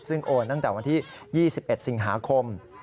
ซึ่งโอนตั้งแต่วันที่๒๑สิงหาคม